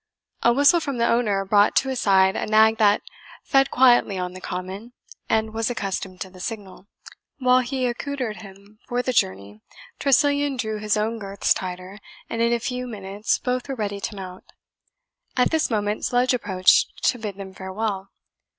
A whistle from the owner brought to his side a nag that fed quietly on the common, and was accustomed to the signal. While he accoutred him for the journey, Tressilian drew his own girths tighter, and in a few minutes both were ready to mount. At this moment Sludge approached to bid them farewell.